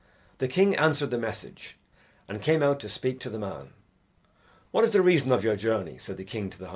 The king answered the message and came out to speak to the man. "What is the reason of your journey?" said the king to the hunter.